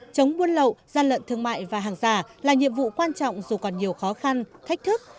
chống buôn lậu gian lận thương mại và hàng giả là nhiệm vụ quan trọng dù còn nhiều khó khăn thách thức